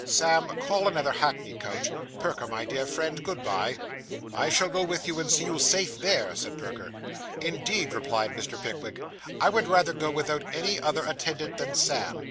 Sam, call another hackney coach. Perker, my dear friend, good bye.' 'I shall go with you, and see you safe there,' said Perker. 'Indeed,' replied Mr. Pickwick, 'I would rather go without any other attendant than Sam.